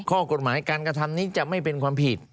ข้อกฎหมายการกระทำนี้จะไม่เป็นความผิด